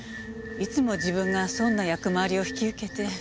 いつも自分が損な役回りを引き受けて。